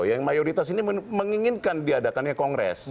yang mayoritas ini menginginkan diadakannya kongres